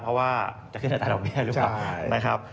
เพราะว่าจะขึ้นในแต่ดอกเบียร์หรือเปล่า